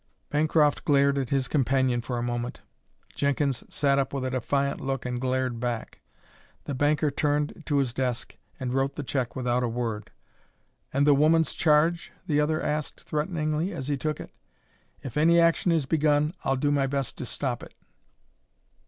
Bancroft glared at his companion for a moment; Jenkins sat up with a defiant look and glared back. The banker turned to his desk and wrote the check without a word. "And the woman's charge?" the other asked threateningly, as he took it. "If any action is begun I'll do my best to stop it."